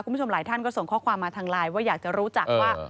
คุณผู้ชมหลายท่านก็ส่งข้อความมาทางไลน์ว่าอยากจะรู้จักว่า